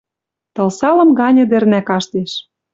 Тылсалым гань ӹдӹрнӓ каштеш.